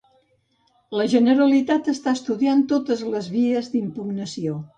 La Generalitat està estudiant totes les vies d'impugnació.